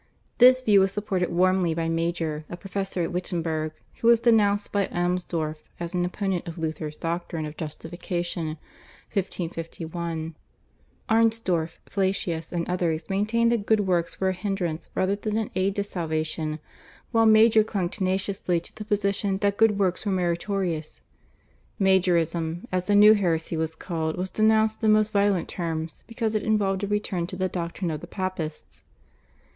This view was supported warmly by Major, a professor at Wittenberg, who was denounced by Amsdorf as an opponent of Luther's doctrine of Justification (1551). Amsdorf, Flacius, and others maintained that good works were a hindrance rather than an aid to salvation, while Major clung tenaciously to the position that good works were meritorious. /Majorism/, as the new heresy was called, was denounced in the most violent terms because it involved a return to the doctrine of the Papists.